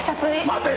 待て！